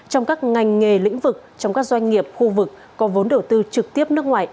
trong các ngành nghề lĩnh vực trong các doanh nghiệp khu vực có vốn đầu tư trực tiếp nước ngoài